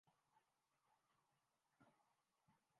لیکن یہ موضوع کسی اور وقت کے لئے۔